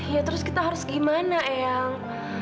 ya terus kita harus gimana eyang